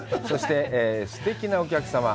そして、すてきなお客様。